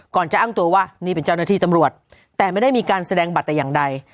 จะอ้างตัวว่านี่เป็นเจ้าหน้าที่ตำรวจแต่ไม่ได้มีการแสดงบัตรแต่อย่างใด